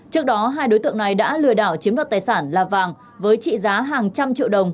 trước đó hai đối tượng này đã lừa đảo chiếm đoạt tài sản là vàng với trị giá hàng trăm triệu đồng